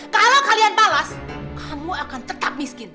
kalau kalian balas kamu akan tetap miskin